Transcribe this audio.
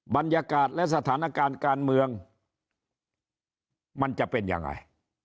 บรรยากาศและสถานการณ์การเมืองมันจะเป็นยังไง